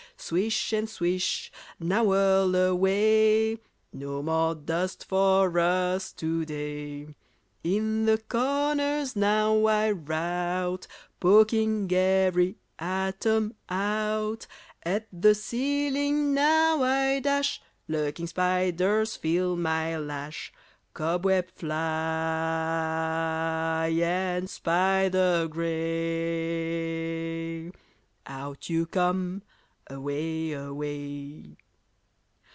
Swish, and swish! now whirl away! No more dust for us to day! In the corners now I rout, Poking every atom out. At the ceiling now I dash: Lurking spiders feel my lash. Cobweb, fly, and spider grey, Out you come! away! away!